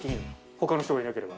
他の人がいなければ。